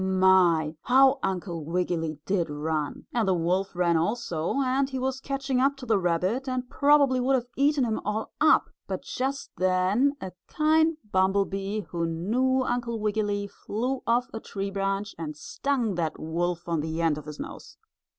My! how Uncle Wiggily did run. And the wolf ran also, and he was catching up to the rabbit, and probably would have eaten him all up, but just then a kind bumble bee who knew Uncle Wiggily flew off a tree branch and stung that wolf on the end of his nose.